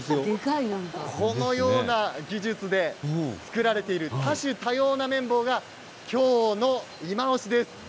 このような技術で作られている多種多様な綿棒が今日のいまオシです。